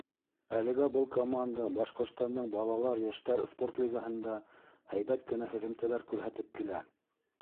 Әлегә был команда Башҡортостандың балалар-йәштәр спорт лигаһында һәйбәт кенә һөҙөмтәләр күрһәтеп килә.